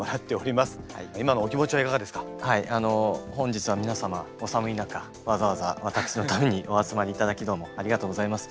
本日は皆様お寒い中わざわざ私のためにお集まりいただきどうもありがとうございます。